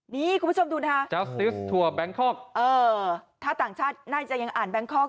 นี่คุณผู้ชมดูนะคะถ้าต่างชาติน่าจะยังอ่านแบงคอก